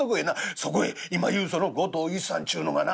そこへ今言うその後藤一山ちゅうのがな